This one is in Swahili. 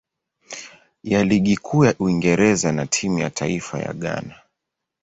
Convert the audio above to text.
ya Ligi Kuu ya Uingereza na timu ya taifa ya Ghana.